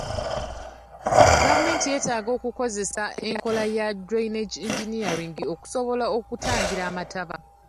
Gavumenti yeetaaga okukozesa enkola ya drainage engineering okusobola okutangira amataba.